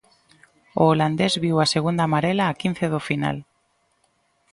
O holandés viu a segunda amarela a quince do final.